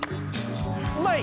うまい！